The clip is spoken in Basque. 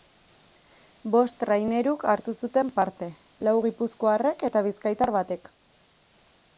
Bost traineruk hartu zuten parte, lau gipuzkoarrek eta bizkaitar batek.